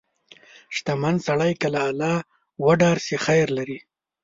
• شتمن سړی که له الله وډار شي، خیر لري.